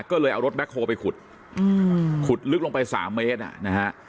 ก็เลยเอารถแบ็คโฮลไปขุดขุดลึกลงไป๓เมตรนะฮะ